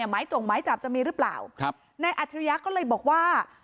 ไม้จ่งไม้จับจะมีหรือเปล่าในอัจภิริยะก็เลยบอกว่า